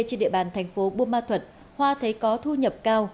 trên địa bàn thành phố buôn ma thuật hoa thấy có thu nhập cao